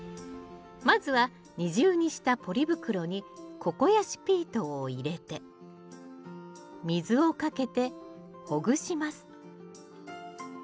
まずは二重にしたポリ袋にココヤシピートを入れて水をかけてほぐします。